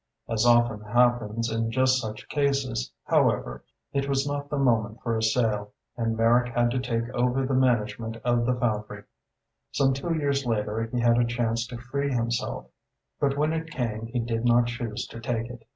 As often happens in just such cases, however, it was not the moment for a sale, and Merrick had to take over the management of the foundry. Some two years later he had a chance to free himself; but when it came he did not choose to take it.